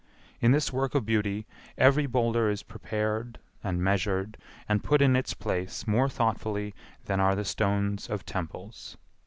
In this work of beauty, every boulder is prepared and measured and put in its place more thoughtfully than are the stones of temples.